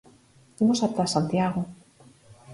Imos ata Santiago.